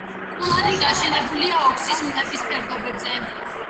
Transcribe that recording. კულანი გაშენებულია ოქსის მთების ფერდობებზე.